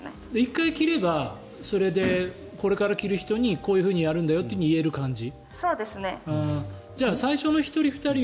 １回着ればそれでこれから着る人にこういうふうにやるんだよって言える感じ？